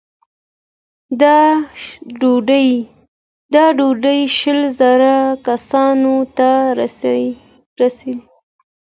دا ډوډۍ شل زره کسانو ته رسېده.